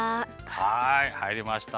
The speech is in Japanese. はいはいりました！